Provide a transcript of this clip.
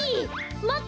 まって！